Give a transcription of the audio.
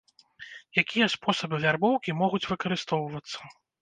Якія спосабы вярбоўкі могуць выкарыстоўвацца?